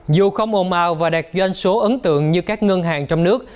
dù không ồn ào và đạt doanh số ấn tượng như các ngân hàng trong nước